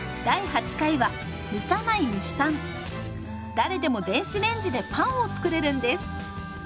誰でも電子レンジでパンを作れるんです。